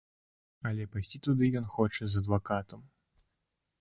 Але пайсці туды ён хоча з адвакатам.